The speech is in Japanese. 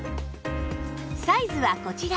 サイズはこちら